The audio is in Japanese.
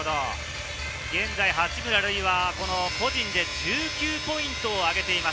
現在、八村塁は個人で１９ポイントあげています。